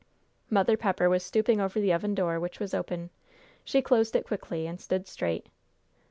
Mother Pepper was stooping over the oven door, which was open. She closed it quickly, and stood straight.